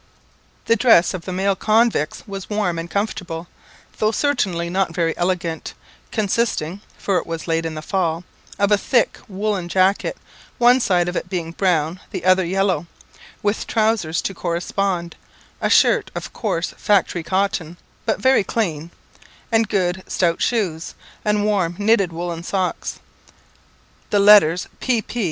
The dress of the male convicts was warm and comfortable, though certainly not very elegant, consisting (for it was late in the fall) of a thick woollen jacket, one side of it being brown, the other yellow, with trowsers to correspond, a shirt of coarse factory cotton, but very clean, and good stout shoes, and warm knitted woollen socks. The letters P.P.